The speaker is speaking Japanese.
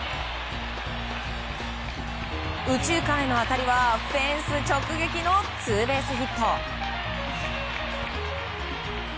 右中間への当たりはフェンス直撃のツーベースヒット。